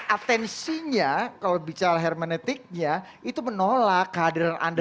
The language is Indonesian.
atensinya kalau bicara hermenetiknya itu menolak kehadiran anda